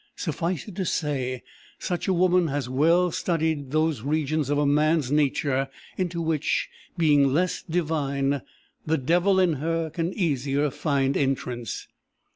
Suffice it to say, such a woman has well studied those regions of a man's nature into which, being less divine, the devil in her can easier find entrance.